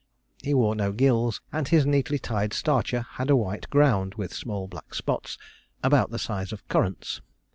He wore no gills; and his neatly tied starcher had a white ground with small black spots, about the size of currants.